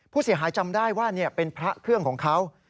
ผู้เสียหายจำได้ว่าเป็นพระเครื่องของเขา